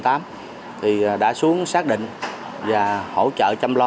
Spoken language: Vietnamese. thì đã xuống xác định và hỗ trợ chăm lo